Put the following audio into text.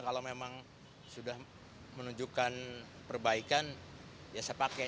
kalau memang sudah menunjukkan perbaikan ya saya pakai